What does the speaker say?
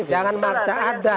jangan maksa ada